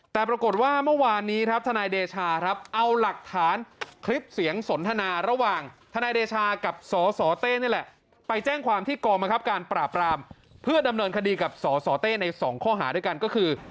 แต่ปรากฏว่าเมื่อวานนี้ครับทนายเดชาครับเอาหลักฐานคลิปเสียงสนทนาระหว่างทนายเดชากับสสเต้นี่แหละไปแจ้งความที่กองบังคับการปราบรามเพื่อดำเนินคดีกับสสเต้ในสองข้อหาด้วยกันก็คือ